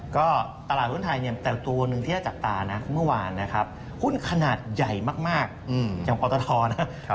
ก็ตลาดหุ้นไทยแต่ตัวนึงที่จะจากตานะเมื่อวานนะครับหุ้นขนาดใหญ่มากอย่างปลาตาทอลนะครับ